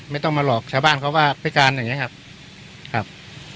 ไม่ต้องมาหลอกชาวบ้านเขาว่าพิการอย่างนี้ครับครับ